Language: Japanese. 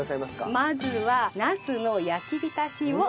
まずはナスの焼き浸しを。